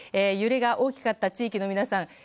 揺れが大きかった地域の皆さん